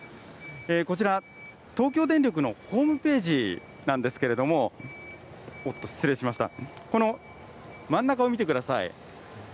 こちら、東京電力のホームページなんですけれども、失礼しました、この真ん中を見てください。